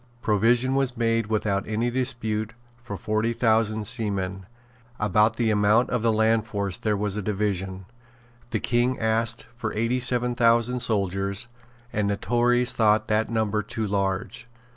Provision was made without any dispute for forty thousand seamen. About the amount of the land force there was a division. The King asked for eighty seven thousand soldiers; and the Tories thought that number too large.